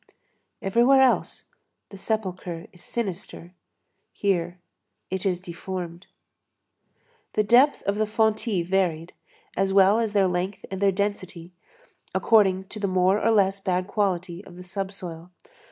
Everywhere else the sepulchre is sinister; here it is deformed. The depth of the fontis varied, as well as their length and their density, according to the more or less bad quality of the sub soil.